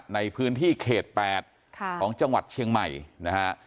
ในพื้นที่เขต๘ของจังหวัดเชียงใหม่นะฮะ